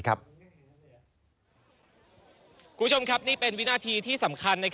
คุณผู้ชมครับนี่เป็นวินาทีที่สำคัญ